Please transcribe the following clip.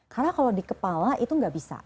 karena kalau di kepala itu gak bisa